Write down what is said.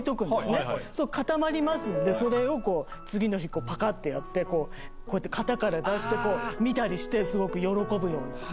そうすると固まりますんで、それをこう、次の日、ぱかってやって、こうやって型から出して、こう、見たりして、すごく喜ぶような。